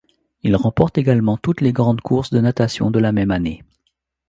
Il remporte également toutes les grandes courses de natation de la même année.